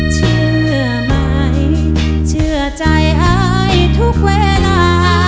เชื่อไหมเชื่อใจอายทุกเวลา